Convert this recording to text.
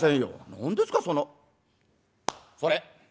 何ですかその。それ！」。